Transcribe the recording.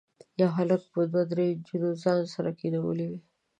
یو هلک به دوه درې نجونې ځان سره کېنولي وي.